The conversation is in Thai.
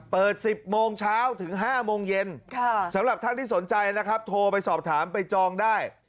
เปิด๑๐โมงเช้าถึง๕โมงเย็นสำหรับท่านที่สนใจนะครับโทรไปสอบถามไปจองได้